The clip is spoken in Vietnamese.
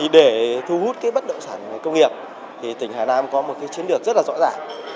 để thu hút bất động sản công nghiệp thì tỉnh hà nam có một chiến lược rất là rõ ràng